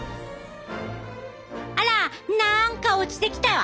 あらなんか落ちてきたわ！